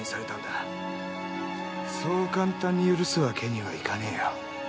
そう簡単に許すわけにはいかねえよ。